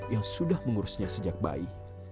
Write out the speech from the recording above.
yang sudah mengurusnya sejak bayi